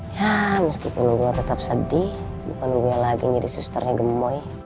ya meskipun gue tetap sedih bukan gue lagi jadi susternya gemboy